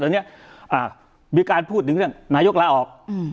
มีการพูดถึงเรื่องนายกละออก